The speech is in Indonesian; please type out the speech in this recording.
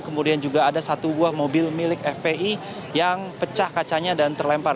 kemudian juga ada satu buah mobil milik fpi yang pecah kacanya dan terlempar